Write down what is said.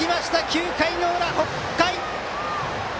９回裏、北海！